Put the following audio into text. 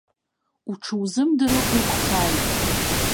Уҽузымдыруа уқәхааит!